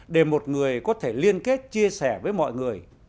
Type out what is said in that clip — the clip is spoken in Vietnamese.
để một người có thể liên kết chia sẻ với mọi người